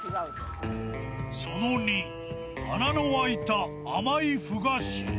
その２、穴の開いた甘い麩菓子。